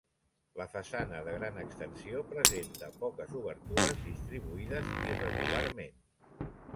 La façana, de gran extensió, presenta poques obertures, distribuïdes irregularment.